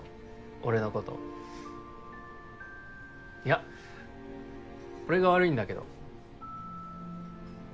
俺のこといや俺が悪いんだけど。